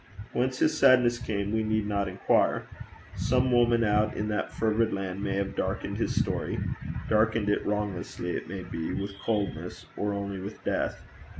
Whence his sadness came, we need not inquire. Some woman out in that fervid land may have darkened his story darkened it wronglessly, it may be, with coldness, or only with death.